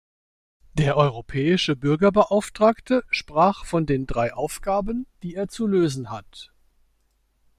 Der Europäische Bürgerbeauftragte sprach von den drei Aufgaben, die er zu lösen hat.